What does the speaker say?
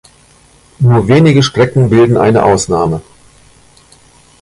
Nur wenige Strecken bilden eine Ausnahme.